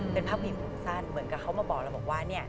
เป็นภาพผู้หญิงภูมิสั้นเหมือนกับเขามาบอกแล้วบอกว่าเนี้ย